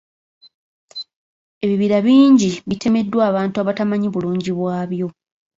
Ebibira bingi bitemeddwa abantu abatamanyi bulungi bwabyo.